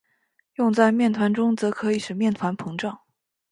用在面团中则可以使面团膨胀。